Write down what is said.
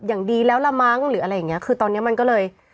อย่างดีแล้วละมั้งหรืออะไรอย่างเงี้คือตอนเนี้ยมันก็เลย